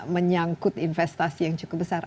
karena menyangkut investasi yang cukup besar